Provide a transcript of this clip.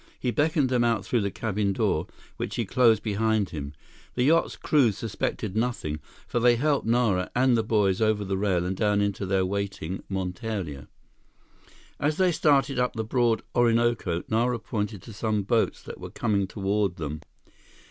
He beckoned them out through the cabin door, which he closed behind him. The yacht's crew suspected nothing, for they helped Nara and the boys over the rail and down into their waiting monteria. As they started up the broad Orinoco, Nara pointed to some boats that were coming toward them.